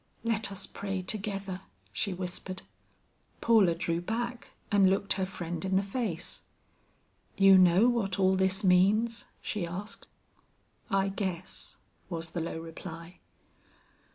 "Let us pray together," she whispered. Paula drew back and looked her friend in the face. "You know what all this means?" she asked. "I guess," was the low reply.